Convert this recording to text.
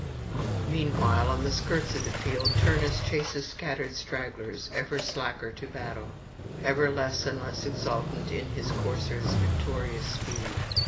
[614 648]Meanwhile on the skirts of the field Turnus chases scattered stragglers, ever slacker to battle, ever less and less exultant in his coursers' victorious speed.